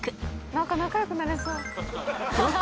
何か仲よくなれそう。